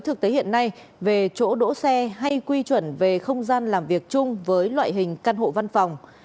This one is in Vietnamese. thực tế hiện nay về chỗ đỗ xe hay quy chuẩn về không gian làm việc chung với loại hình căn hộ văn phòng